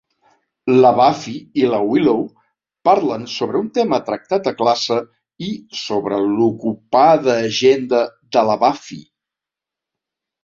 La Buffy i la Willow parlen sobre un tema tractat a classe i sobre l'ocupada agenda de la Buffy.